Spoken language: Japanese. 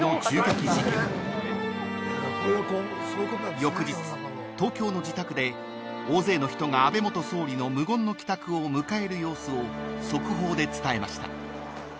［翌日東京の自宅で大勢の人が安倍元総理の無言の帰宅を迎える様子を速報で伝えました］